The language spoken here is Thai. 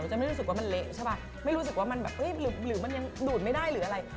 จะไม่รู้สึกว่ามันเละใช่ป่ะไม่รู้สึกว่ามันแบบหรือมันยังดูดไม่ได้หรืออะไร